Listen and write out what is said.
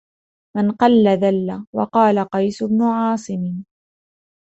مَنْ قَلَّ ذَلَّ وَقَالَ قَيْسُ بْنُ عَاصِمٍ